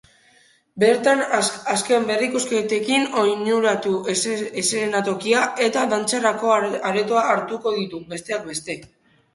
Bertan azken berrikuntzekin hornitutako eszenatokia eta dantzarako aretoa hartuko ditu, besteak beste.